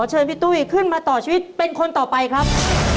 เชิญพี่ตุ้ยขึ้นมาต่อชีวิตเป็นคนต่อไปครับ